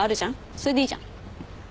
それでいいじゃん。